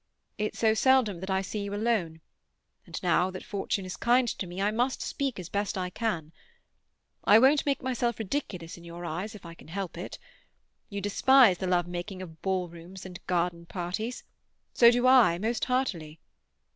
It's so seldom that I see you alone; and now that fortune is kind to me I must speak as best I can. I won't make myself ridiculous in your eyes—if I can help it. You despise the love making of ballrooms and garden parties; so do I, most heartily.